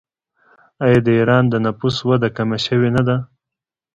آیا د ایران د نفوس وده کمه شوې نه ده؟